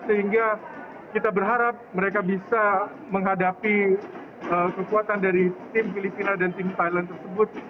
sehingga kita berharap mereka bisa menghadapi kekuatan dari tim filipina dan tim thailand tersebut